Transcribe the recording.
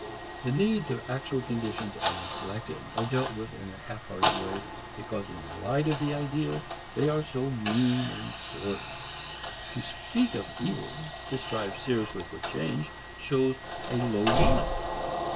The needs of actual conditions are neglected, or dealt with in a half hearted way, because in the light of the ideal they are so mean and sordid. To speak of evils, to strive seriously for change, shows a low mind.